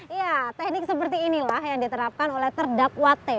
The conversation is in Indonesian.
iya teknik seperti inilah yang diterapkan oleh terdakwate